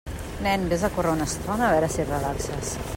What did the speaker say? Nen, vés a córrer una estona, a veure si et relaxes.